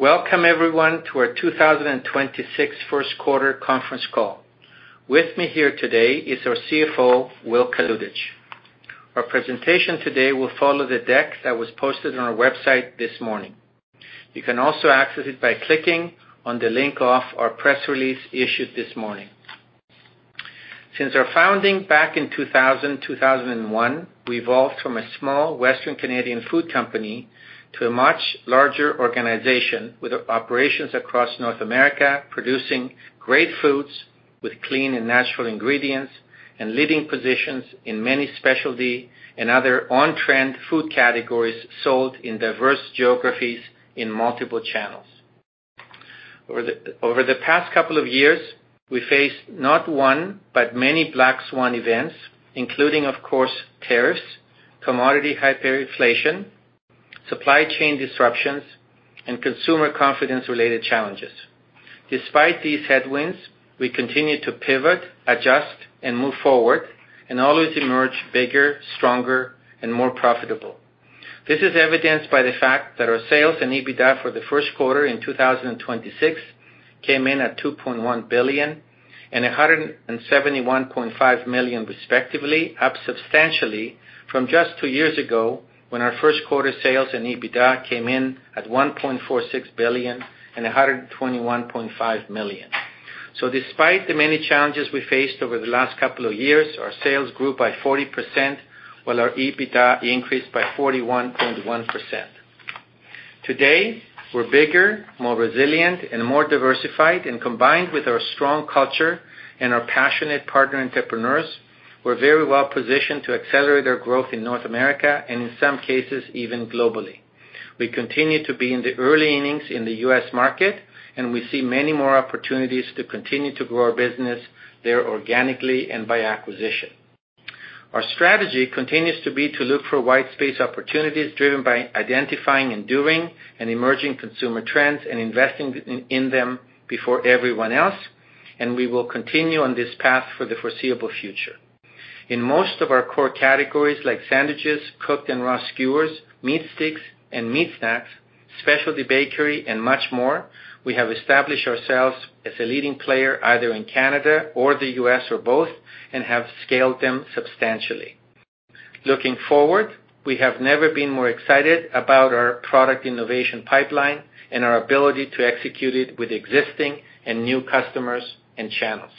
Welcome everyone to our 2026 First Quarter Conference Call. With me here today is our CFO, Will Kalutycz. Our presentation today will follow the deck that was posted on our website this morning. You can also access it by clicking on the link off our press release issued this morning. Since our founding back in 2000-2001, we evolved from a small western Canadian food company to a much larger organization with operations across North America, producing great foods with clean and natural ingredients and leading positions in many specialty and other on-trend food categories sold in diverse geographies in multiple channels. Over the past couple of years, we faced not one, but many Black Swan events, including of course tariffs, commodity hyperinflation, supply chain disruptions, and consumer confidence-related challenges. Despite these headwinds, we continued to pivot, adjust, and move forward and always emerge bigger, stronger, and more profitable. This is evidenced by the fact that our sales and EBITDA for the first quarter in 2026 came in at 2.1 billion and 171.5 million respectively, up substantially from just two years ago when our first quarter sales and EBITDA came in at 1.46 billion and 121.5 million. Despite the many challenges we faced over the last couple of years, our sales grew by 40%, while our EBITDA increased by 41.1%. Today, we're bigger, more resilient, and more diversified. Combined with our strong culture and our passionate partner entrepreneurs, we're very well positioned to accelerate our growth in North America and in some cases, even globally. We continue to be in the early innings in the U.S. market, and we see many more opportunities to continue to grow our business there organically and by acquisition. Our strategy continues to be to look for white space opportunities driven by identifying enduring and emerging consumer trends and investing in them before everyone else, and we will continue on this path for the foreseeable future. In most of our core categories like sandwiches, cooked and raw skewers, meat sticks and meat snacks, specialty bakery and much more, we have established ourselves as a leading player either in Canada or the U.S. or both, and have scaled them substantially. Looking forward, we have never been more excited about our product innovation pipeline and our ability to execute it with existing and new customers and channels.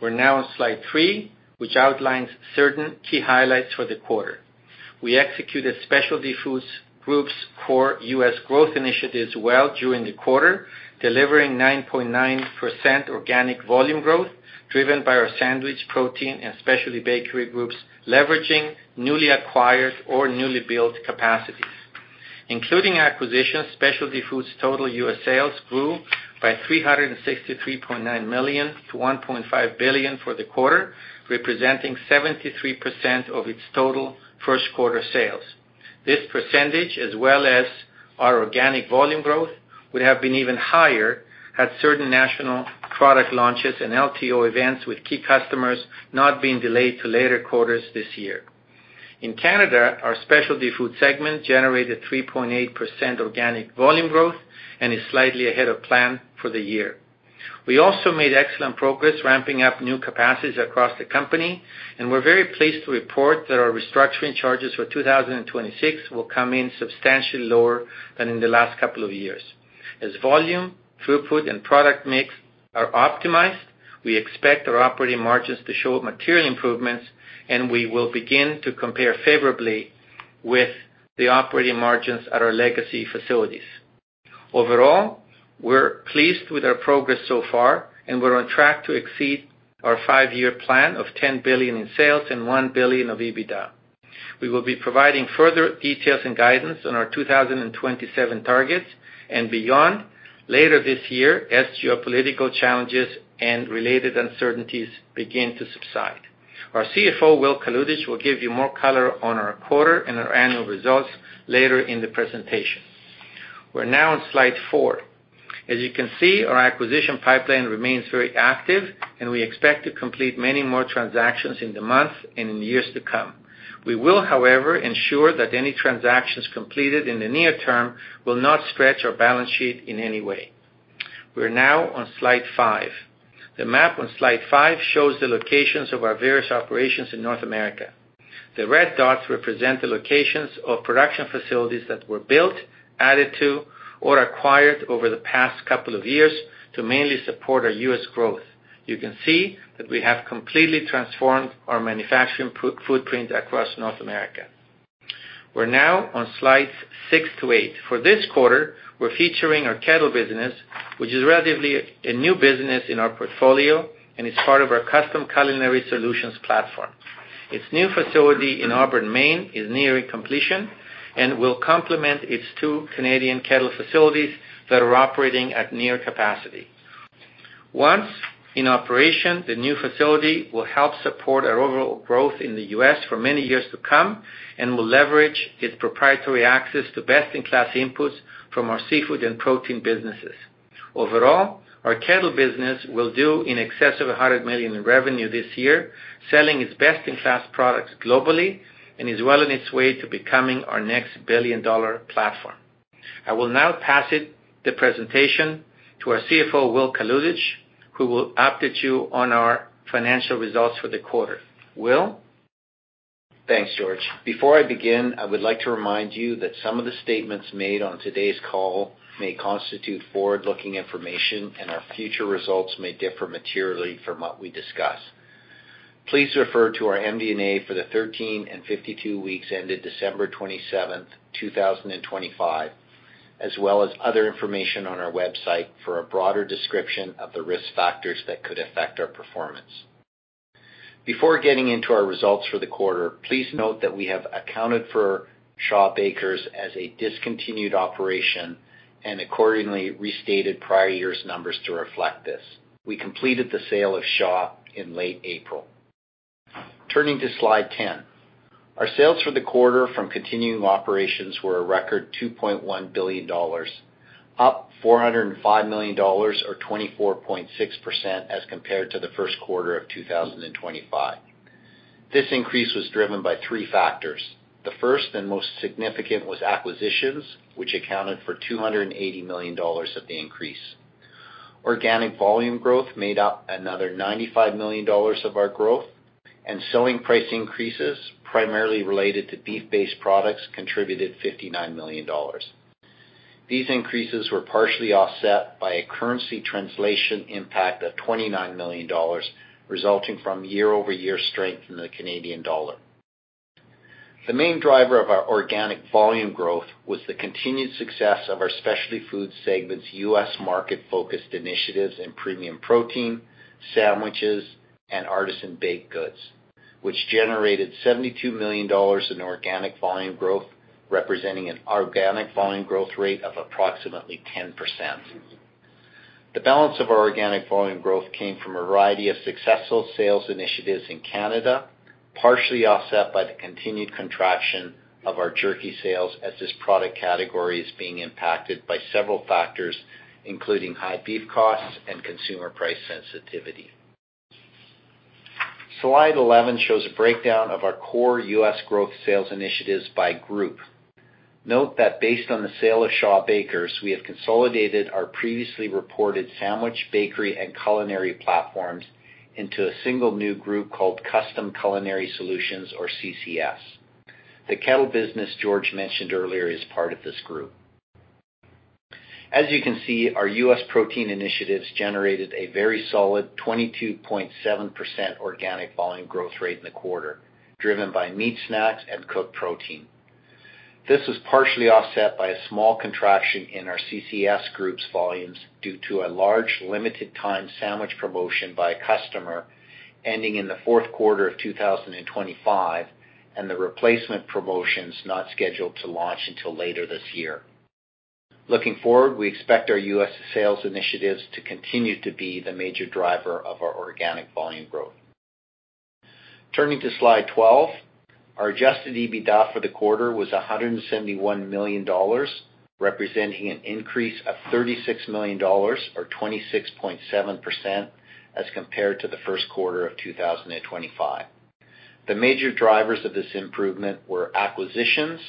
We're now on slide three, which outlines certain key highlights for the quarter. We executed Specialty Foods group's core U.S. growth initiatives well during the quarter, delivering 9.9% organic volume growth driven by our sandwich protein and specialty bakery groups leveraging newly acquired or newly built capacities. Including acquisitions, Specialty Foods total U.S. sales grew by 363.9 million to 1.5 billion for the quarter, representing 73% of its total first quarter sales. This percentage, as well as our organic volume growth, would have been even higher had certain national product launches and LTO events with key customers not been delayed to later quarters this year. In Canada, our specialty food segment generated 3.8% organic volume growth and is slightly ahead of plan for the year. We also made excellent progress ramping up new capacities across the company, and we're very pleased to report that our restructuring charges for 2026 will come in substantially lower than in the last couple of years. As volume, throughput, and product mix are optimized, we expect our operating margins to show material improvements, and we will begin to compare favorably with the operating margins at our legacy facilities. Overall, we're pleased with our progress so far, and we're on track to exceed our five-year plan of 10 billion in sales and 1 billion of EBITDA. We will be providing further details and guidance on our 2027 targets and beyond later this year as geopolitical challenges and related uncertainties begin to subside. Our CFO, Will Kalutycz, will give you more color on our quarter and our annual results later in the presentation. We're now on slide four. As you can see, our acquisition pipeline remains very active, and we expect to complete many more transactions in the months and in the years to come. We will, however, ensure that any transactions completed in the near term will not stretch our balance sheet in any way. We're now on slide five. The map on slide five shows the locations of our various operations in North America. The red dots represent the locations of production facilities that were built, added to, or acquired over the past couple of years to mainly support our U.S. growth. You can see that we have completely transformed our manufacturing footprint across North America. We're now on slides six to eight. For this quarter, we're featuring our Kettle business, which is relatively a new business in our portfolio and is part of our custom culinary solutions platform. Its new facility in Auburn, Maine is nearing completion and will complement its two Canadian Kettle facilities that are operating at near capacity. Once in operation, the new facility will help support our overall growth in the U.S. for many years to come and will leverage its proprietary access to best-in-class inputs from our seafood and protein businesses. Overall, our Kettle business will do in excess of 100 million in revenue this year, selling its best-in-class products globally and is well on its way to becoming our next billion-dollar platform. I will now pass it, the presentation, to our CFO, Will Kalutycz, who will update you on our financial results for the quarter. Will? Thanks, George. Before I begin, I would like to remind you that some of the statements made on today's call may constitute forward-looking information and our future results may differ materially from what we discuss. Please refer to our MD&A for the 13 and 52 weeks ended December 27th, 2025, as well as other information on our website for a broader description of the risk factors that could affect our performance. Before getting into our results for the quarter, please note that we have accounted for Shaw Bakers as a discontinued operation and accordingly restated prior year's numbers to reflect this. We completed the sale of Shaw in late April. Turning to Slide 10. Our sales for the quarter from continuing operations were a record 2.1 billion dollars, up 405 million dollars or 24.6% as compared to the first quarter of 2025. This increase was driven by three factors. The first and most significant was acquisitions, which accounted for 280 million dollars of the increase. Organic volume growth made up another 95 million dollars of our growth, and selling price increases, primarily related to beef-based products, contributed 59 million dollars. These increases were partially offset by a currency translation impact of 29 million dollars resulting from year-over-year strength in the Canadian dollar. The main driver of our organic volume growth was the continued success of our Specialty Foods segment's U.S. market-focused initiatives in premium protein, sandwiches, and artisan baked goods, which generated 72 million dollars in organic volume growth, representing an organic volume growth rate of approximately 10%. The balance of our organic volume growth came from a variety of successful sales initiatives in Canada, partially offset by the continued contraction of our jerky sales as this product category is being impacted by several factors, including high beef costs and consumer price sensitivity. Slide 11 shows a breakdown of our core U.S. growth sales initiatives by group. Note that based on the sale of Shaw Bakers, we have consolidated our previously reported sandwich, bakery, and culinary platforms into a single new group called Custom Culinary Solutions or CCS. The Kettle business George mentioned earlier is part of this group. As you can see, our U.S. protein initiatives generated a very solid 22.7% organic volume growth rate in the quarter, driven by meat snacks and cooked protein. This was partially offset by a small contraction in our CCS group's volumes due to a large limited time sandwich promotion by a customer ending in the fourth quarter of 2025, and the replacement promotions not scheduled to launch until later this year. Looking forward, we expect our U.S. Sales initiatives to continue to be the major driver of our organic volume growth. Turning to slide 12. Our adjusted EBITDA for the quarter was 171 million dollars, representing an increase of 36 million dollars or 26.7% as compared to the first quarter of 2025. The major drivers of this improvement were acquisitions,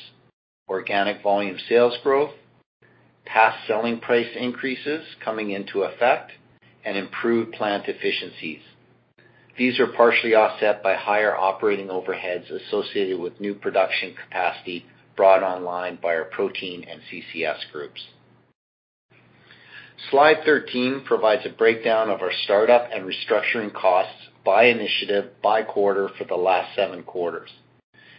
organic volume sales growth, past selling price increases coming into effect, and improved plant efficiencies. These are partially offset by higher operating overheads associated with new production capacity brought online by our protein and CCS groups. Slide 13 provides a breakdown of our startup and restructuring costs by initiative by quarter for the last seven quarters.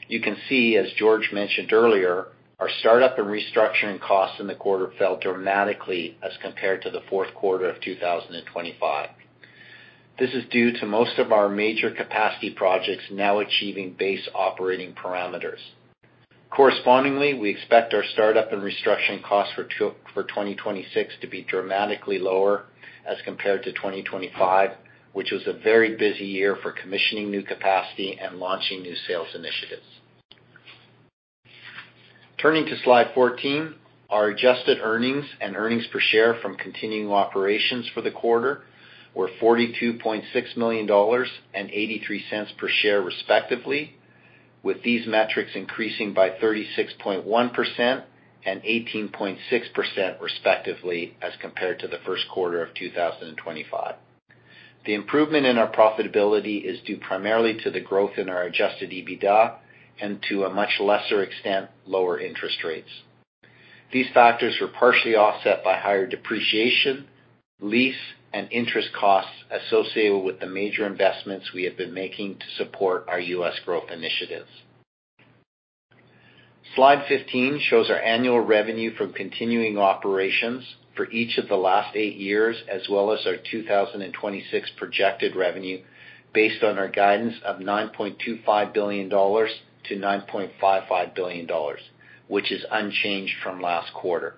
You can see, as George mentioned earlier, our startup and restructuring costs in the quarter fell dramatically as compared to the fourth quarter of 2025. This is due to most of our major capacity projects now achieving base operating parameters. Correspondingly, we expect our startup and restructuring costs for 2026 to be dramatically lower as compared to 2025, which was a very busy year for commissioning new capacity and launching new sales initiatives. Turning to Slide 14. Our adjusted earnings and earnings per share from continuing operations for the quarter were 42.6 million dollars and 0.83 per share, respectively, with these metrics increasing by 36.1% and 18.6% respectively as compared to the first quarter of 2025. The improvement in our profitability is due primarily to the growth in our adjusted EBITDA and to a much lesser extent, lower interest rates. These factors were partially offset by higher depreciation, lease, and interest costs associated with the major investments we have been making to support our U.S. growth initiatives. Slide 15 shows our annual revenue from continuing operations for each of the last eight years as well as our 2026 projected revenue based on our guidance of 9.25 billion-9.55 billion dollars, which is unchanged from last quarter.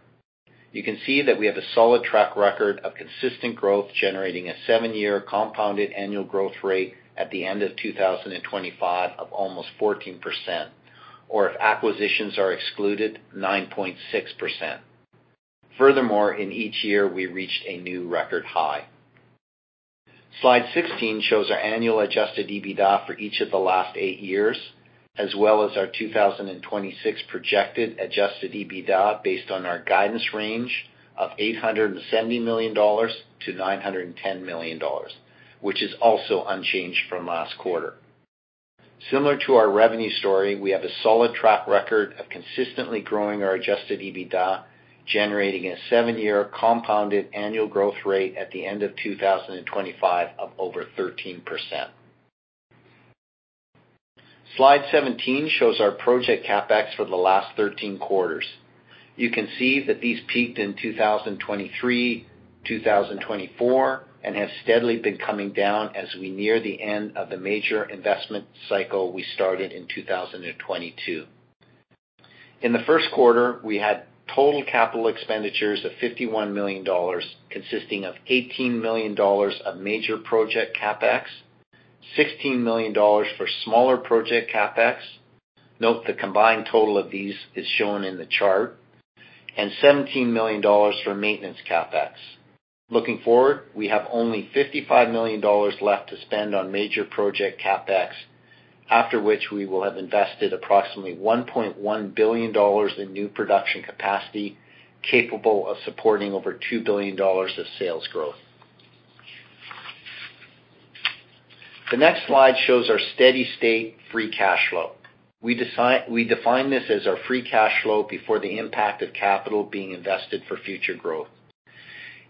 You can see that we have a solid track record of consistent growth, generating a seven-year compounded annual growth rate at the end of 2025 of almost 14%. Or if acquisitions are excluded, 9.6%. Furthermore, in each year, we reached a new record high. Slide 16 shows our annual adjusted EBITDA for each of the last eight years, as well as our 2026 projected adjusted EBITDA based on our guidance range of 870 million-910 million dollars, which is also unchanged from last quarter. Similar to our revenue story, we have a solid track record of consistently growing our adjusted EBITDA, generating a seven-year compounded annual growth rate at the end of 2025 of over 13%. Slide 17 shows our project CapEx for the last 13 quarters. You can see that these peaked in 2023, 2024, have steadily been coming down as we near the end of the major investment cycle we started in 2022. In the first quarter, we had total capital expenditures of 51 million dollars, consisting of 18 million dollars of major project CapEx, 16 million dollars for smaller project CapEx. Note the combined total of these is shown in the chart, and 17 million dollars for maintenance CapEx. Looking forward, we have only 55 million dollars left to spend on major project CapEx, after which we will have invested approximately 1.1 billion dollars in new production capacity, capable of supporting over 2 billion dollars of sales growth. The next slide shows our steady-state free cash flow. We define this as our free cash flow before the impact of capital being invested for future growth.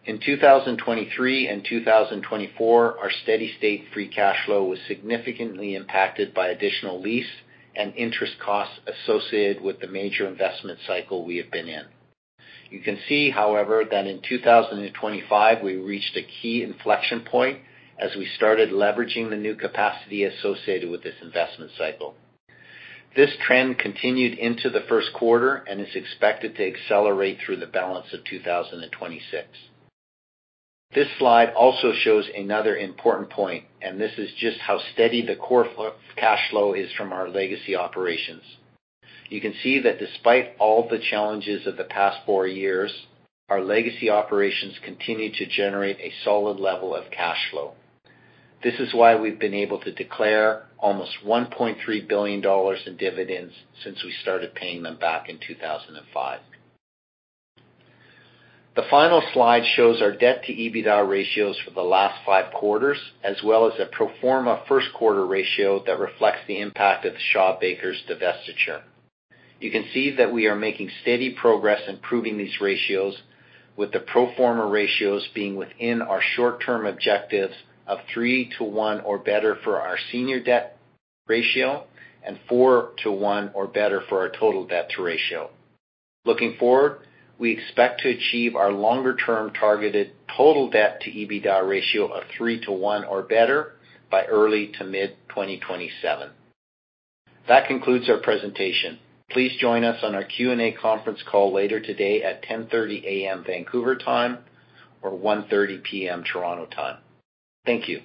In 2023 and 2024, our steady-state free cash flow was significantly impacted by additional lease and interest costs associated with the major investment cycle we have been in. You can see, however, that in 2025, we reached a key inflection point as we started leveraging the new capacity associated with this investment cycle. This trend continued into the first quarter and is expected to accelerate through the balance of 2026. This slide also shows another important point, and this is just how steady the core cash flow is from our legacy operations. You can see that despite all the challenges of the past four years, our legacy operations continue to generate a solid level of cash flow. This is why we've been able to declare almost 1.3 billion dollars in dividends since we started paying them back in 2005. The final slide shows our debt to EBITDA ratios for the last five quarters, as well as a pro forma first quarter ratio that reflects the impact of the Shaw Bakers divestiture. You can see that we are making steady progress improving these ratios with the pro forma ratios being within our short-term objectives of 3/1 or better for our senior debt ratio and 4/1 or better for our total debt to ratio. Looking forward, we expect to achieve our longer-term targeted total debt to EBITDA ratio of 3/1 or better by early to mid-2027. That concludes our presentation. Please join us on our Q and A conference call later today at 10:30 A.M. Vancouver time or 1:30 P.M. Toronto time. Thank you.